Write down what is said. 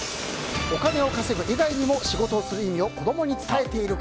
お金を稼ぐ以外にも仕事をする意味を子供にも伝えている？